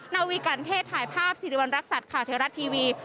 นาวีกันเทศถ่ายภาพสิริวัณรักษัตริย์ข่าวเทวรัฐทีวี